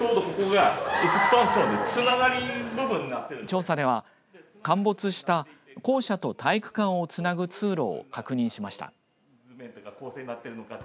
調査では陥没した校舎と体育館をつなぐ通路を確認しました。